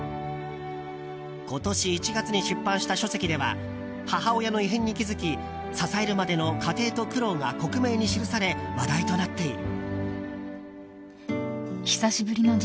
今年１月に出版した書籍では母親の異変に気づき支えるまでの過程と苦労が克明に記され話題となっている。